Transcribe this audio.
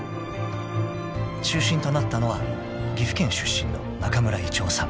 ［中心となったのは岐阜県出身の中村いてうさん］